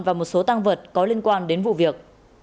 và một số tăng vật có liên quan đến vụ việc